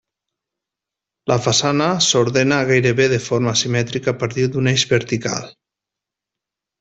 La façana s'ordena gairebé de forma simètrica a partir d'un eix vertical.